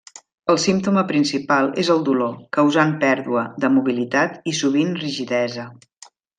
El símptoma principal és el dolor, causant pèrdua de mobilitat i sovint rigidesa.